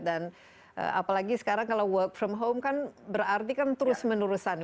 dan apalagi sekarang kalau work from home kan berarti kan terus meneruskan